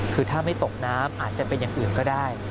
คือถ้าไม่ตกน้ำอาจจะเป็นอย่างอื่นก็ได้